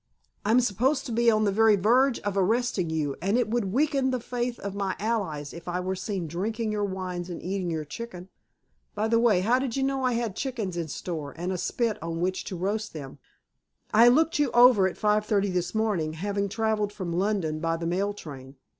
"I'm supposed to be on the very verge of arresting you, and it would weaken the faith of my allies if I were seen drinking your wines and eating your chicken." "By the way, how did you know I had chickens in store, and a spit on which to roast them?" "I looked you over at five thirty this morning, having traveled from London by the mail train.